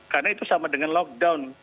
karena itu sama dengan lockdown